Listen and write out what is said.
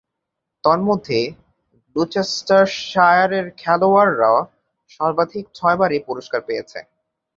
তন্মধ্যে, গ্লুচেস্টারশায়ারের খেলোয়াড়েরা সর্বাধিক ছয়বার এ পুরস্কার পেয়েছে।